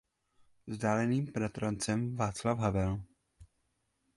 Vzdáleným bratrancem Václav Havel.